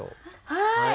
はい！